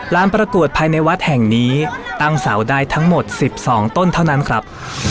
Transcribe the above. ประกวดภายในวัดแห่งนี้ตั้งเสาได้ทั้งหมด๑๒ต้นเท่านั้นครับ